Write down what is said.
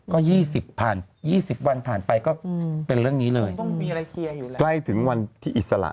ก็๒๐ผ่าน๒๐วันผ่านไปก็เป็นเรื่องนี้เลยใกล้ถึงวันที่อิสระ